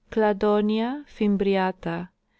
Cladonia fimbriata, (L.)